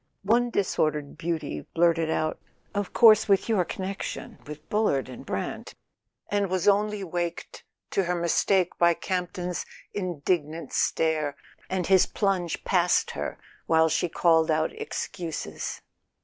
One disordered beauty blurted out: "Of course, with your connection with Bullard and Brant"—and was only waked to her mistake by Campton's indignant stare, and his plunge past her while she called out excuses.